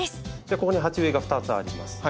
ここに鉢植えが２つあります。